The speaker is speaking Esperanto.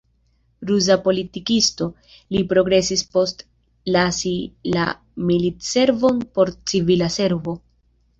Ruza politikisto, li progresis post lasi la militservon por civila servo.